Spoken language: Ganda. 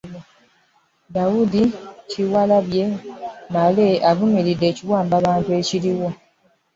David Kiwalabye Male avumiridde ekiwamba bantu ekiriwo